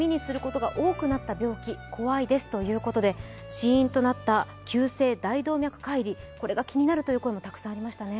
死因となった急性大動脈解離、これが気になるという声もたくさんありましたね。